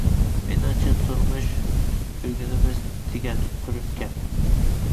مېنىڭچە، تۇرمۇش ئۆگىنىمىز دېگەن قۇرۇق گەپ.